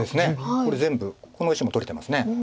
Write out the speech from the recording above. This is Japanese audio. これ全部この石も取れてます。